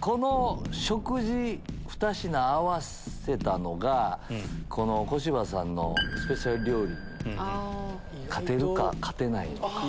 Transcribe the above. この食事２品合わせたのが小芝さんのスペシャル料理に勝てるか勝てないのか。